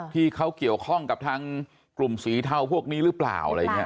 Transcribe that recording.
ที่เขาเกี่ยวข้องกับทางกลุ่มศรีเทาพวกนี้หรือเปล่า